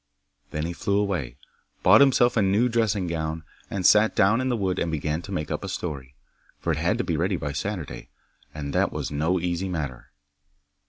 Then he flew away, bought himself a new dressing gown, and sat down in the wood and began to make up a story, for it had to be ready by Saturday, and that was no easy matter.